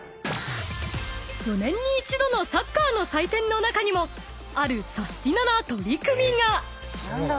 ［４年に一度のサッカーの祭典の中にもあるサスティなな取り組みが］